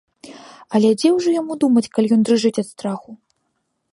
Але дзе ўжо яму думаць, калі ён дрыжыць ад страху.